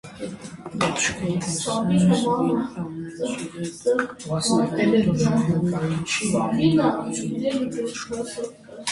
That school has since been amalgamated with another school to form Thiele Primary School.